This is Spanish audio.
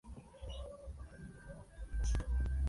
Es descendiente de irlandeses, y fue enseñada en el Catolicismo.